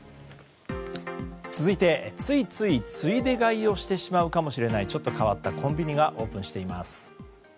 続いて、ついついついで買いをしてしまうかもしれないちょっと変わったコンビニがオープンしています。